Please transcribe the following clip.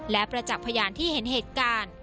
และประจักษ์พยานที่เห็นเหตุการณ์